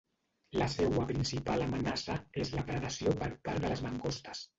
La seua principal amenaça és la predació per part de les mangostes.